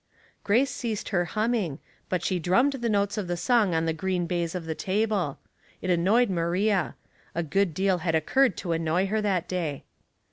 Grace ceased her humming, but she drummed the notes of the song on the green baize of the table. It annoyed Maria. A good deal had oc curred to annoy her that day.